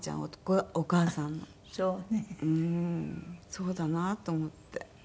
そうだなと思って。